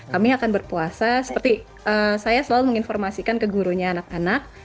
kami akan berpuasa seperti saya selalu menginformasikan ke gurunya anak anak